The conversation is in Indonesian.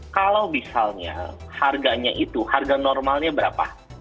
kalau misalnya harganya itu harga normalnya berapa